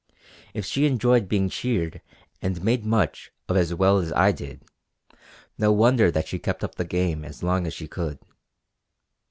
If she enjoyed being cheered and made much of as well as I did, no wonder that she kept up the game as long as she could.